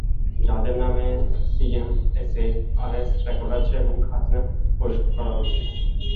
যাঁদের নামে CS, SA, RS record আছে এবং খাজনা পরিশোধ করা হচ্ছে।